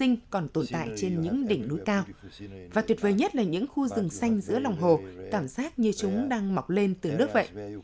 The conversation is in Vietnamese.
rừng tự nhiên không tồn tại trên những đỉnh núi cao và tuyệt vời nhất là những khu rừng xanh giữa lòng hồ tảm giác như chúng đang mọc lên từ nước vậy